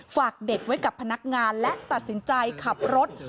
ฝากเด็กไว้กับพนักงานและตัดสินใจขับรถ